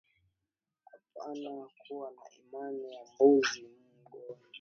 Apana kuwa na imani ya mbuzi mu jangwa